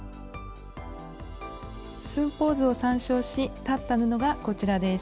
寸法図を参照し裁った布がこちらです。